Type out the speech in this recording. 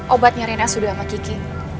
obatnya rena sudah sama kiki